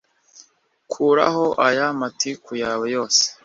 Kuraho aya matiku yawe yose